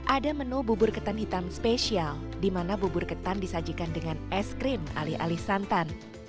ada menu bubur ketan hitam spesial di mana bubur ketan disajikan dengan es krim alih alih santan